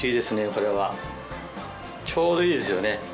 これはちょうどいいですよね。